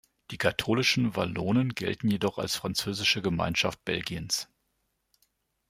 Die katholischen Wallonen gelten jedoch als Französische Gemeinschaft Belgiens.